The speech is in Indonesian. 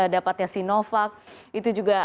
dapatnya sinovac itu juga